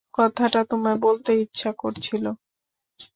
কথাটা তোমায় বলতে ইচ্ছা করছিল।